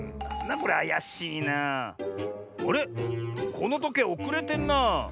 このとけいおくれてんなあ。